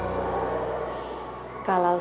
kalau saya itu tidak pernah mengistimewakan salah satu murid